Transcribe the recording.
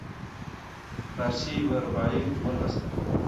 فارسي یوه رباعي ولوستله.